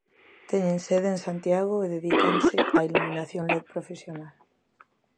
Teñen sede en Santiago e dedícanse á iluminación led profesional.